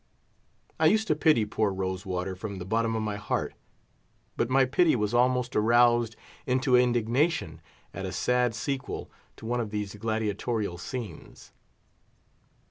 I used to pity poor Rose water from the bottom of my heart. But my pity was almost aroused into indignation at a sad sequel to one of these gladiatorial scenes.